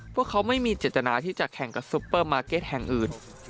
พวกเขาไม่มีเจตนาที่จะแข่งกับซุปเปอร์มาร์เก็ตแห่งอื่น